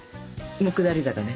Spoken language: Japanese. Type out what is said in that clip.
下り坂ね。